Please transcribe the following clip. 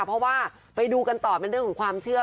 เพราะว่าไปดูกันต่อเป็นเรื่องของความเชื่อ